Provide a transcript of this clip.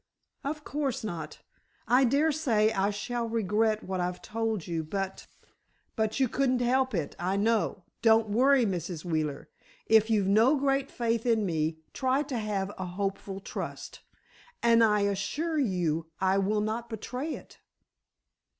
"Of course not. I daresay I shall regret what I've told you, but——" "But you couldn't help it, I know. Don't worry, Mrs. Wheeler. If you've no great faith in me, try to have a hopeful trust, and I assure you I will not betray it."